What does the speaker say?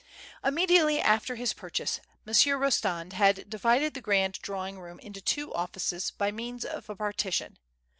Immediately after his purchase. Monsieur Eostand had divided the grand drawing room into two offices, by means of a partition.